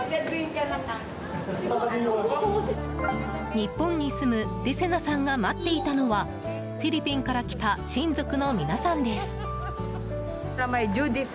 日本に住むデセナさんが待っていたのはフィリピンから来た親族の皆さんです。